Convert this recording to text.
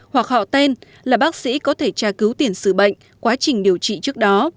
hoặc họ tên là bác sĩ có thể tra cứu tiền xử bệnh quá trình điều trị trước đó